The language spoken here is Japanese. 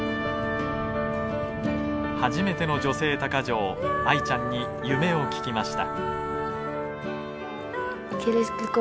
初めての女性鷹匠アイちゃんに夢を聞きました。